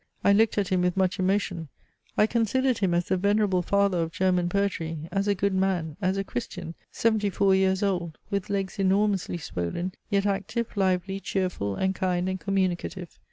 I looked at him with much emotion I considered him as the venerable father of German poetry; as a good man; as a Christian; seventy four years old; with legs enormously swollen; yet active, lively, cheerful, and kind, and communicative.